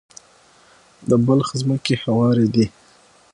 د بلخ ځمکې هوارې دي